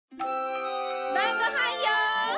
晩ごはんよ！